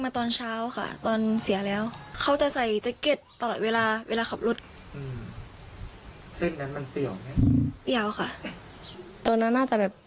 ตอนนั้นอาจจะแบบ